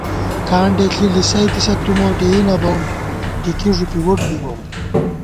کانڈے ݪِی لِسَئیتہ تُو مو، ڈېئی نہ بَوُم ، ٹِکی ݫُپی وُٹ بِبوم